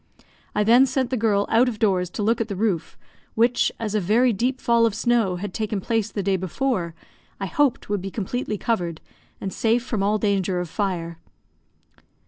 I then sent the girl out of doors to look at the roof, which, as a very deep fall of snow had taken place the day before, I hoped would be completely covered, and safe from all danger of fire.